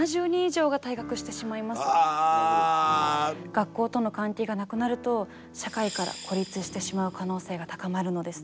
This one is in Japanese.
学校との関係がなくなると社会から孤立してしまう可能性が高まるのです。